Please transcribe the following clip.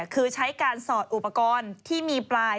คือใช้การสอดอุปกรณ์ที่มีปลาย